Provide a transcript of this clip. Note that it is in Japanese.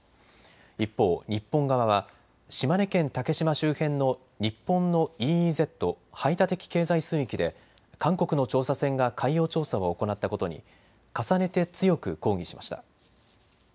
一方、日本側は島根県竹島周辺の日本のＥＥＺ・排他的経済水域で韓国の調査船が海洋調査を行ったことに重ねて強く抗議しました。